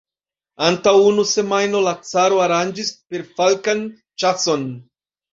Antaŭ unu semajno la caro aranĝis perfalkan ĉason!